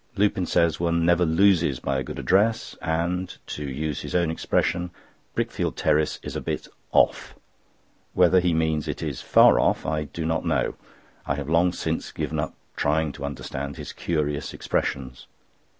Lupin says one never loses by a good address, and, to use his own expression, Brickfield Terrace is a bit "off." Whether he means it is "far off" I do not know. I have long since given up trying to understand his curious expressions.